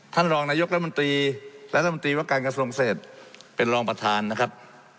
ท่านรองนายกรัฐมนตรีและรัฐมนตรีว่าการกระทรวงเศษเป็นรองประธานนะครับ